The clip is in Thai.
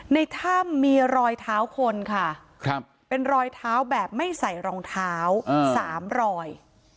ในถ้ำมีรอยเท้าคนค่ะเป็นรอยเท้าแบบไม่ใส่รองเท้า๓รอย